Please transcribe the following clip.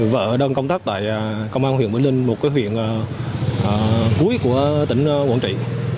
vợ đơn công tác tại công an huyện bình linh một cái huyện cuối của tỉnh quảng trị